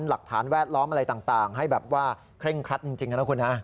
หลักฐานแวดล้อมอะไรต่างให้แบบว่าเคร่งครัดจริงนะคุณฮะ